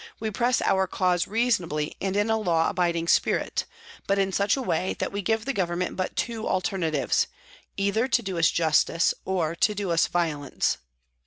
We press our cause reasonably and in a law abiding spirit, but in such a way that we give the Government but two alternatives either to do us justice or to do us violence."